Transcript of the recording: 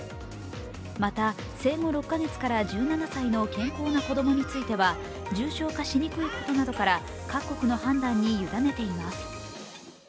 また、生後６か月から１７歳の健康な子供については、重症化しにくいことなどから各国の判断に委ねています。